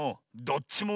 どっちも？